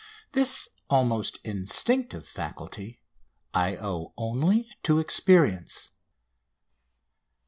This almost instinctive faculty I owe only to experience.